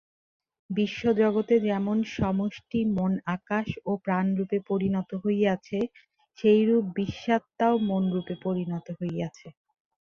বিশ্বজগতে যেমন সমষ্টি-মন আকাশ ও প্রাণরূপে পরিণত হইয়াছে, সেইরূপ বিশ্বাত্মাও মনরূপে পরিণত হইয়াছে।